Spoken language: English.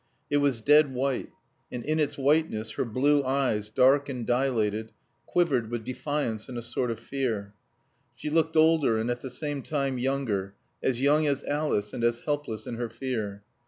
It was dead white, and in its whiteness her blue eyes, dark and dilated, quivered with defiance and a sort of fear. She looked older and at the same time younger, as young as Alice and as helpless in her fear.